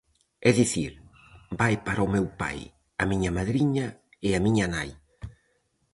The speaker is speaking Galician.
É dicir, vai para o meu pai, a miña madriña e a miña nai.